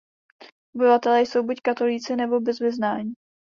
Obyvatelé jsou buď katolíci nebo bez vyznání.